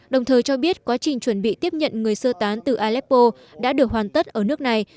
đồng thời cho biết quá trình chuẩn bị tiếp nhận người sơ tán từ aleppo đã được hoàn tất ở nước này